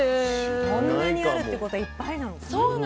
こんなにあるってことはいっぱいなのかな？